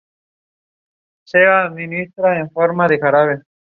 Pese a diversas iniciativas del gobierno provincial, el ramal no fue reactivado.